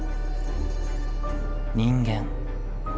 人間。